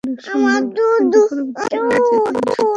কিন্তু পরবর্তী আরেকটি আওয়াজে তিনি চমকে ওঠেন।